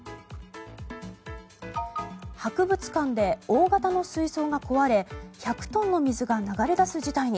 博物館で大型の水槽が壊れ１００トンの水が流れ出す事態に。